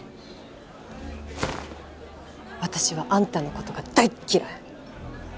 私はあんたの事が大っ嫌い！